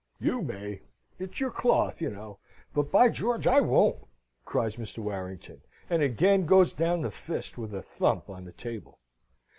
"You may. It's your cloth, you know; but, by George, I won't!" cries Mr. Warrington, and again goes down the fist with a thump on the table.